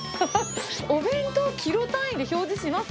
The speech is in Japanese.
お弁当、キロ単位で表示します？